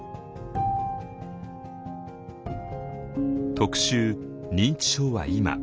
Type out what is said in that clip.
「特集認知症は今」。